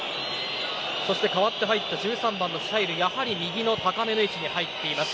そして代わって入った１３番のシャイルはやはり右の高めの位置に入っています。